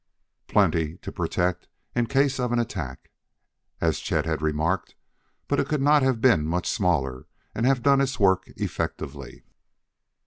Plenty to protect in case of an attack, as Chet had remarked, but it could not have been much smaller and have done its work effectively.